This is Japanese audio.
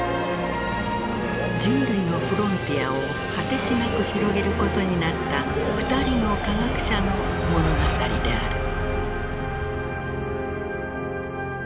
人類のフロンティアを果てしなく広げることになった２人の科学者の物語である。